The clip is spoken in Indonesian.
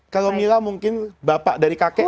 kalau mila mungkin bapak dari kakek